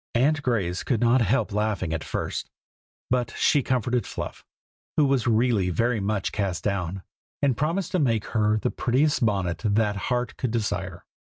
Aunt Grace could not help laughing at first; but she comforted Fluff, who was really very much cast down, and promised to make her the prettiest bonnet that heart could desire.